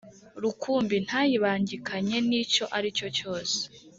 rukumbi ntayibangikanye nicyo aricyo cyose